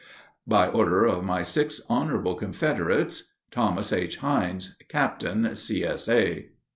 _ By order of my six honorable Confederates. THOMAS H. HINES, _Captain, C.S.A.